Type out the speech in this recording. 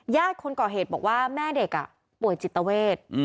ญาติคนก่อเหตุบอกว่าแม่เด็กอ่ะป่วยจิตเวช